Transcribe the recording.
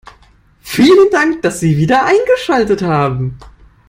Vielen Dank, dass Sie wieder eingeschaltet haben.